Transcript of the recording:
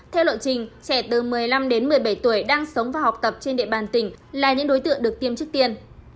theo lộ trình trẻ từ một mươi năm đến một mươi bảy tuổi đang sống và học tập trên địa bàn tỉnh là những đối tượng được tiêm trước tiên